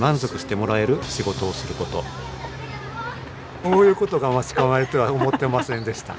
こういうことが待ち構えるとは思ってませんでした。